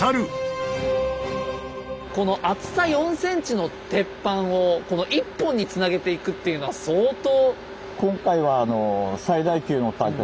この厚さ４ｃｍの鉄板を１本につなげていくっていうのは相当。